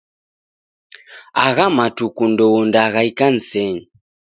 Agha matuku ndouendagha ikanisenyi.